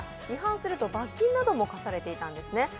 違反すると罰金なども科されていたんですね。